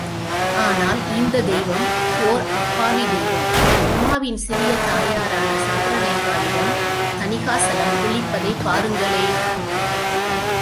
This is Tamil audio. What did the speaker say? ஆனால் இந்தத் தெய்வம் ஓர் அப்பாவித் தெய்வம். உமாவின் சிறிய தாயாரான சந்திரலேகாவிடம் தணிகாசலம் விழிப்பதைப் பாருங்களேன்!